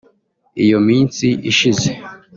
Iyo minsi ishize